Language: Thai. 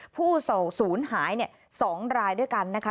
ผู้ศูนย์หาย๒รายด้วยกันนะคะ